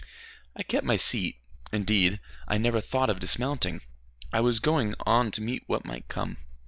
I kept my seat. Indeed, I never thought of dismounting. I was going on to meet what might come.